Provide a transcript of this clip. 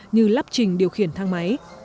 như lập trình điều khiển thang máy